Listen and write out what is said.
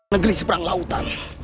negeri seberang lautan